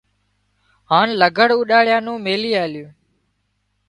هانَ لگھڙ اوڏاڙيا نُون ميلي آليون